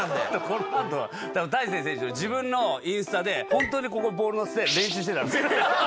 この後多分大勢選手の自分のインスタで本当にここにボール乗せて練習してたの。